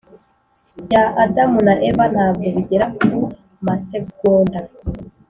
bya adamu na eva ntabwo bigera kumasegonda